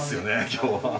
今日は。